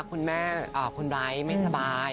คุณแม่คุณไบร์ทไม่สบาย